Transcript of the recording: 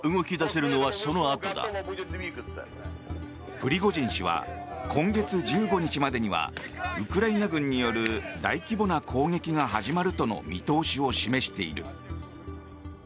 プリゴジン氏は今月１５日までにはウクライナ軍による大規模な攻撃が始まるとの見通しを示している。